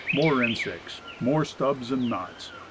More insects. More stubs and knots.